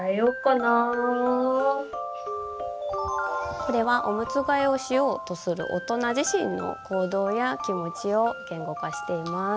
これはおむつ替えをしようとする大人自身の行動や気持ちを言語化しています。